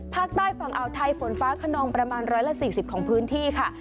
ภาคใต้ฝั่งอ่าวไทยฝนฟ้าขนองประมาณ๑๔๐ของพื้นที่ค่ะ